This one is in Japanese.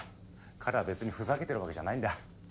彼は別にふざけてるわけじゃないんだ。